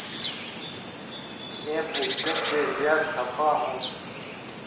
ایں بھژدہ چے زیات خپا ہون٘س۔